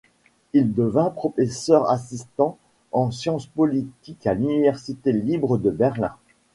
Il devint professeur assistant en sciences politiques à l'Université libre de Berlin.